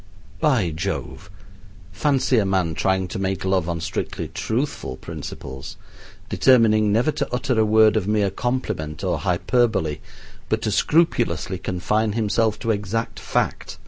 By Jove! fancy a man trying to make love on strictly truthful principles, determining never to utter a word of mere compliment or hyperbole, but to scrupulously confine himself to exact fact!